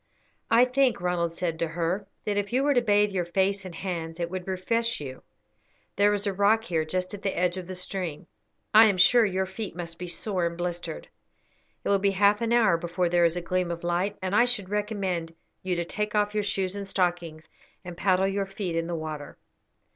"I think," Ronald said to her, "that if you were to bathe your face and hands it would refresh you. There is a rock here just at the edge of the stream, I am sure your feet must be sore and blistered. It will be half an hour before there is a gleam of light, and I should recommend you to take off your shoes and stockings and paddle your feet in the water."